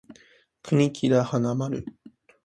国木田花丸